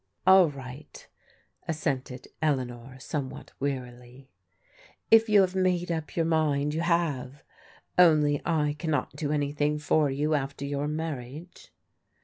"All right," assented Eleanor somewhat wearily, "if you have made up mind, you have. Only I cannot do anything for you after your marriage."